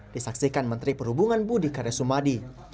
disaksikan menteri perhubungan budi karya sumadi